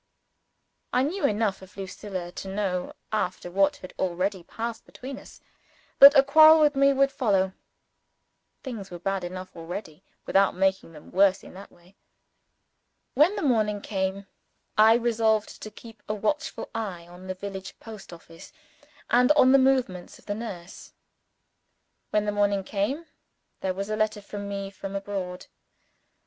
I knew enough of Lucilla to know (after what had already passed between us) that a quarrel with me would follow. Things were bad enough already, without making them worse in that way. When the morning came, I resolved to keep a watchful eye on the village post office, and on the movements of the nurse. When the morning came, there was a letter for me from abroad.